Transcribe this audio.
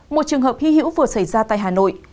một trường hợp hy hữu vừa xảy ra tại hà nội